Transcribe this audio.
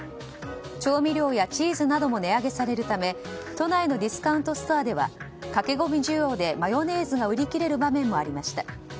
調味料やチーズなども値上げされるため都内のディスカウントストアでは駆け込み需要でマヨネーズが売り切れる場面もありました。